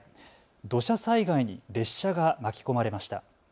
土砂災害に列車が巻き込まれました。